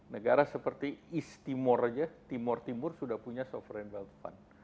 negara seperti east timur aja timur timur sudah punya sovereign wealth fund